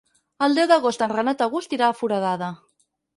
El deu d'agost en Renat August irà a Foradada.